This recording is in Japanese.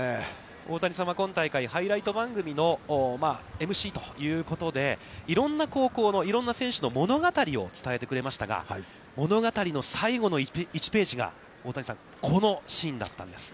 大谷さんは、今大会、ハイライト番組のＭＣということで、いろんな高校のいろんな選手の物語を伝えてくれましたが、物語の最後の１ページが、大谷さん、このシーンだったんです。